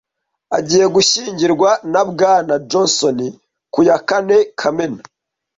Agiye gushyingirwa na Bwana Johnson ku ya kane Kamena.